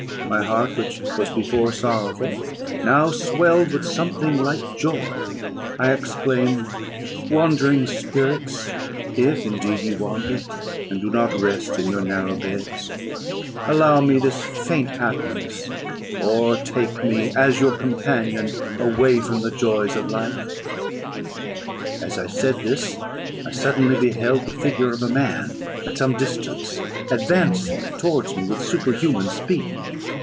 My heart, which was before sorrowful, now swelled with something like joy; I exclaimed "Wandering spirits, if indeed ye wander, and do not rest in your narrow beds, allow me this faint happiness, or take me, as your companion, away from the joys of life." As I said this, I suddenly beheld the figure of a man, at some distance, advancing towards me with superhuman speed.